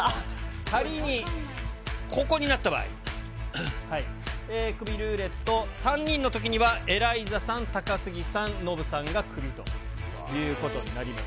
仮に、ここになった場合、クビルーレット３人のときには、エライザさん、高杉さん、ノブさんがクビということになります。